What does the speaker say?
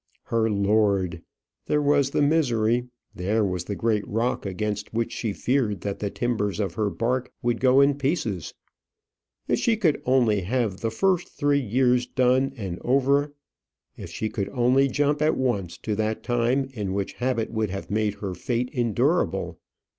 Her lord! there was the misery; there was the great rock against which she feared that the timbers of her bark would go in pieces. If she could only have the three first years done and over. If she could only jump at once to that time in which habit would have made her fate endurable!